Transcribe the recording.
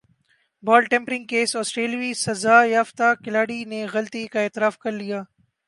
بال tampering case سٹریلوی سزا یافتہ کھلاڑیوں نےغلطی کا اعتراف کر لیا